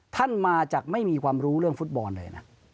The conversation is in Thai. ท่านมาจากไม่มีความรู้เรื่องฟุตบอลเลยนะ